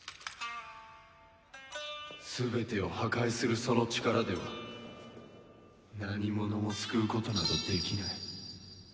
全てを破壊するその力では何者も救うことなどできない。